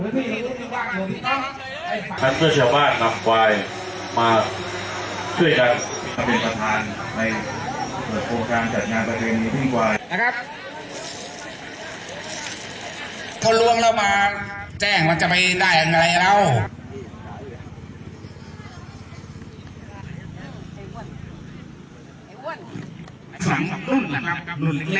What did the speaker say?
เชื้อชาวบ้านครับควายมาช่วยกันเป็นประธานในโปรแกรม